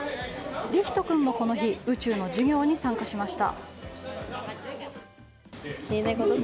りひと君もこの日宇宙の授業に参加しました。